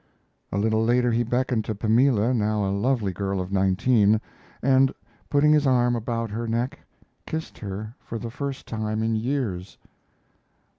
A little later he beckoned to Pamela, now a lovely girl of nineteen, and, putting his arm about her neck, kissed her for the first time in years.